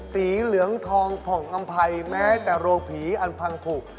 สีเหลืองทองผ่องอำภัยแม้แต่โรงผีอันพังขุ